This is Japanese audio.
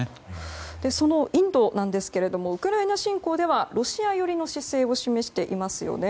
そのインドなんですがウクライナ侵攻ではロシア寄りの姿勢を示していますよね。